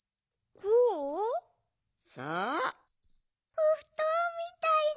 おふとんみたいね。